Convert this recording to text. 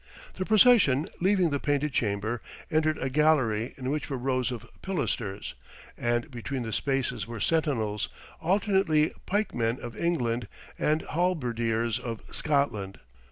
The procession, leaving the Painted Chamber, entered a gallery in which were rows of pilasters, and between the spaces were sentinels, alternately pike men of England and halberdiers of Scotland.